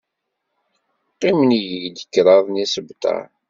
Qqimen-iyi-d kraḍ n yisebtar.